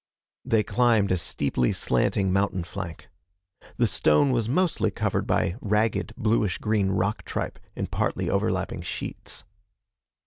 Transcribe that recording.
They climbed a steeply slanting mountain flank. The stone was mostly covered by ragged, bluish green rock tripe in partly overlapping sheets.